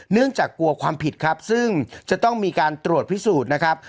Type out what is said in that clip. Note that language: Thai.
เนื่องจากกลัวความผิดครับซึ่งจะต้องมีการตรวจพิสูจน์นะครับ